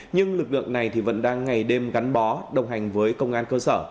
nhưng lực lượng này vẫn đang ngày đêm gắn bó đồng hành với công an cơ sở